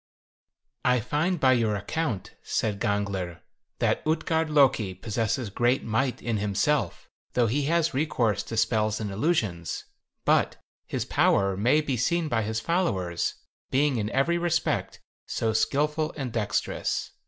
56. "I find by your account," said Gangler, "that Utgard Loki possesses great might in himself, though he has recourse to spells and illusions; but his power may be seen by his followers, being in every respect so skillful and dexterous.